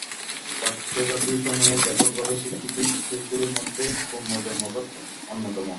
প্রাচ্য জাতি- সমূহের ব্যাপকভাবে স্বীকৃত বিশ্বাসগুলির মধ্যে পুনর্জন্মবাদ অন্যতম।